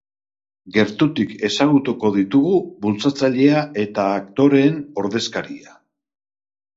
Gertutik ezagutuko ditugu bultzatzailea eta aktoreen ordezkaria.